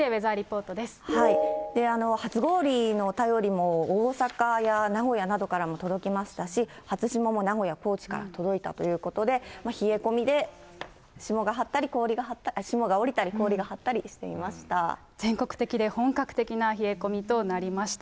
初氷の便りも、大阪や名古屋などからも届きましたし、初霜も名古屋、高知から届いたということで、冷え込みで霜が降りたり、全国的で、本格的な冷え込みとなりました。